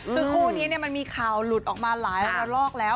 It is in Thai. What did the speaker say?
คือคู่นี้มันมีข่าวหลุดออกมาหลายระลอกแล้ว